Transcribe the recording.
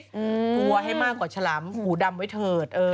กลัวให้มากกว่าฉลามหูดำไว้เถิด